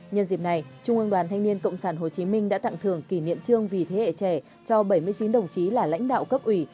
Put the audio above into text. nhân dịp này trung ương đoàn thanh niên cộng sản hồ chí minh đã tặng thưởng kỷ niệm trương vì thế hệ trẻ cho bảy mươi chín đồng chí là lãnh đạo cấp ủy